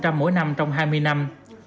mỗi năm trong hai mươi năm